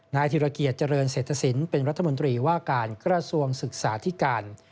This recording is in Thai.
ธิรเกียจเจริญเศรษฐศิลป์เป็นรัฐมนตรีว่าการกระทรวงศึกษาธิการ